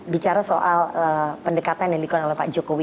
bicara soal pendekatan yang dilakukan oleh pak jokowi